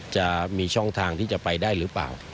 จะมีช่องทางที่จะไปได้หรือเปล่า